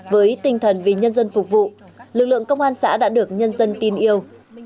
với tinh thần vì nhân dân phục vụ lực lượng công an xã đã được nhân dân tin yêu